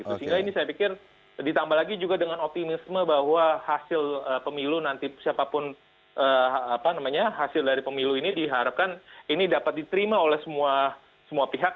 sehingga ini saya pikir ditambah lagi juga dengan optimisme bahwa hasil pemilu nanti siapapun hasil dari pemilu ini diharapkan ini dapat diterima oleh semua pihak